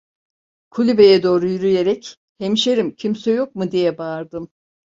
Kulübeye doğru yürüyerek: "Hemşerim… Kimse yok mu?" diye bağırdım.